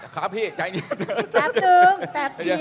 ครับพี่ใจนิดหนึ่ง